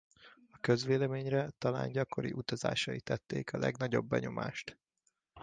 A közvéleményre talán gyakori utazásai tették a legnagyobb benyomást.